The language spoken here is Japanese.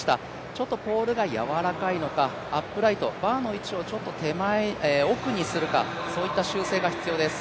ちょっとポールがやわらかいのか、アップライト、バーの位置をちょっと奥にするか、そういった修正が必要です。